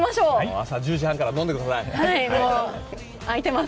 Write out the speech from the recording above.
朝１０時半から飲んでください。